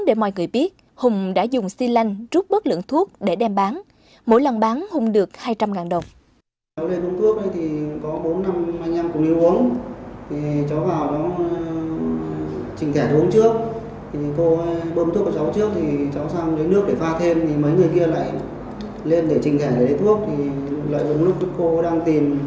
để mọi người biết hùng đã dùng si lanh rút bớt lượng thuốc để đem bán mỗi lần bán hùng được hai trăm linh đồng